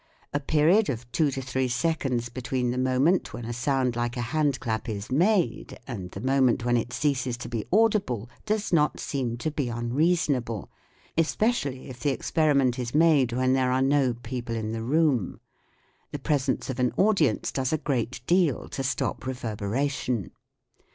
A period of two to three seconds be tween the moment when a sound like a handclap is made and the moment when it ceases to be audible does not seem to be unreasonable, especi ally if the experiment is made when there are no people in the room. The presence of an audience does a great deal to stop reverberation.